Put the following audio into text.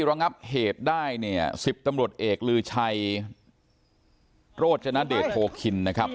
ระงับเหตุได้เนี่ย๑๐ตำรวจเอกลือชัยโรจนเดชโพคินนะครับ